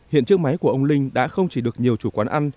hiện chiếc máy của ông linh đã không chỉ được nhiều chủ quán ăn